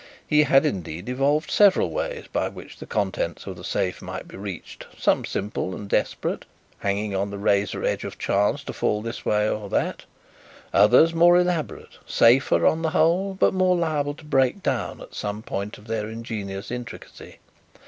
He had, indeed, evolved several ways by which the contents of the safes might be reached, some simple and desperate, hanging on the razor edge of chance to fall this way or that; others more elaborate, safer on the whole, but more liable to break down at some point of their ingenious intricacy.